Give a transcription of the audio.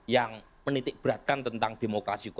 yang menitik beratkan tentang demokrasi